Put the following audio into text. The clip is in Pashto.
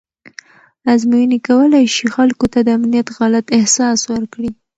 ازموینې کولی شي خلکو ته د امنیت غلط احساس ورکړي.